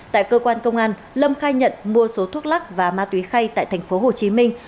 tại cơ quan công an lâm khai nhận mua số thuốc lắc và ma túy khay tại thành phố hồ chí minh